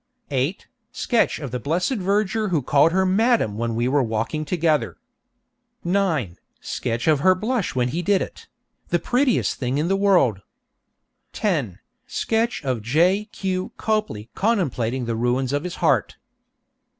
8. Sketch of the blessed verger who called her 'Madam' when we were walking together. 9. Sketch of her blush when he did it; the prettiest thing in the world. 10. Sketch of J. Q. Copley contemplating the ruins of his heart.